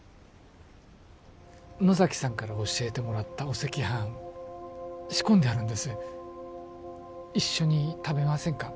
野崎さんから教えてもらったお赤飯仕込んであるんです一緒に食べませんか？